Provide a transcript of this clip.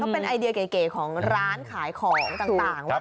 เป็นไอเดียเก๋ของร้านขายของต่างว่า